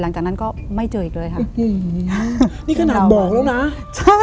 หลังจากนั้นก็ไม่เจออีกเลยค่ะอืมนี่ขนาดบอกแล้วนะใช่